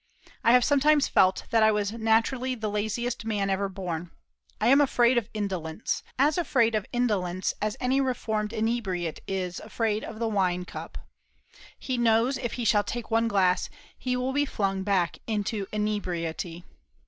I have sometimes felt that I was naturally the laziest man ever born. I am afraid of indolence as afraid of indolence as any reformed inebriate is afraid of the wine cup. He knows if he shall take one glass he will be flung back into inebriety.